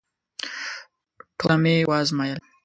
ټوله مي وازمایل …